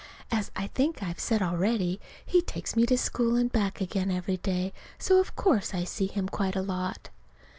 As I think I've said already, he takes me to school and back again every day; so of course I see him quite a lot.